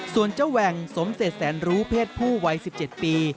ส่วนเจ้าแหว่งสมเศษแสนรู้เพศผู้วัย๑๗ปี